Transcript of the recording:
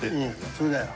それだよ。